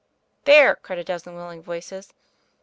"There," cried a dozen willing voices.